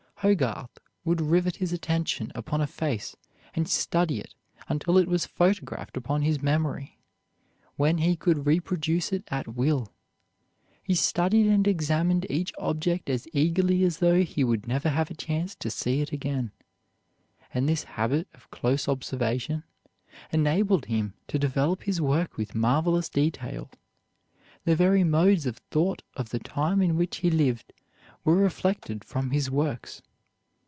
Hogarth would rivet his attention upon a face and study it until it was photographed upon his memory, when he could reproduce it at will. He studied and examined each object as eagerly as though he would never have a chance to see it again, and this habit of close observation enabled him to develop his work with marvelous detail. The very modes of thought of the time in which he lived were reflected from his works.